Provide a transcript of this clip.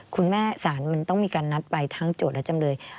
สารมันต้องมีการนัดไปทั้งโจทย์และจำเลย